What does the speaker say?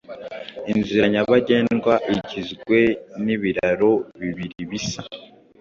Inzira nyabagendwa igizwe n'ibiraro bibiri bisa